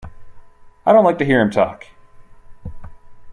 I didn’t like to hear him talk!